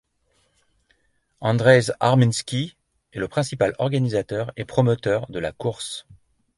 Andrzej Armiński est le principal organisateur et promoteur de la course.